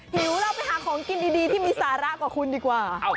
หิวเราไปหาของกินดีที่มีสาระกว่าคุณดีกว่า